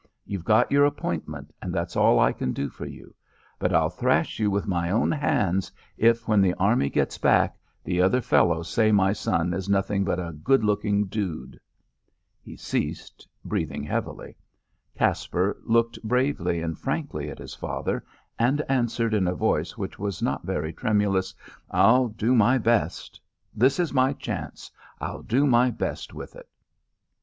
You've got your appointment, and that's all I can do for you; but I'll thrash you with my own hands if, when the Army gets back, the other fellows say my son is 'nothing but a good looking dude.'" He ceased, breathing heavily. Caspar looked bravely and frankly at his father, and answered in a voice which was not very tremulous. "I'll do my best. This is my chance. I'll do my best with it."